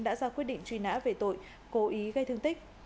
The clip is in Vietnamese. đã ra quyết định truy nã về tội cố ý gây thương tích